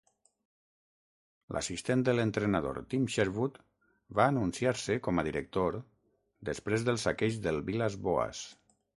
L'assistent de l'entrenador Tim Sherwood va anunciar-se com a director després del saqueig de Villas-Boas.